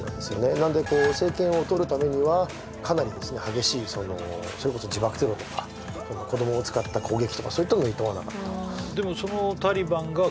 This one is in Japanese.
なので政権をとるためにはかなり激しいそれこそ自爆テロとか子どもを使った攻撃とかそういったのをいとわなかったそうです